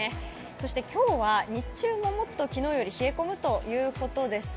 そして今日は、日中ももっと昨日より冷え込むということです。